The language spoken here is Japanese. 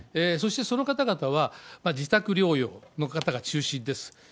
そしてその方々は、自宅療養の方が中心です。